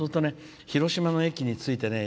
広島の駅に着いてね